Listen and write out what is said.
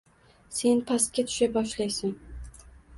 Sen pastga tusha boshlaysan.